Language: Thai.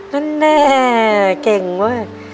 นั่นแน่เก่งเว้ย